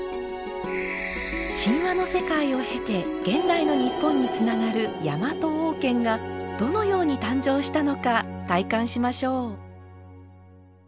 神話の世界を経て現代の日本につながるヤマト王権がどのように誕生したのか体感しましょう。